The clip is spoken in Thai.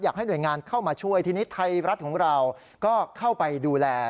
อยากให้หน่วยงานเข้ามาช่วยทีนี้ไทยรัฐของเราก็เข้าไปดูแล